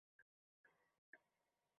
আমার পিঙ্কির কথা শুনা উচিত ছিল না।